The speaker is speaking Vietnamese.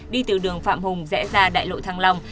đi từ đường phạm hùng rẽ ra đại lộ thăng long